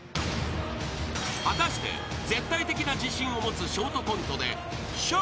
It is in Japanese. ［果たして絶対的な自信を持つショートコントで笑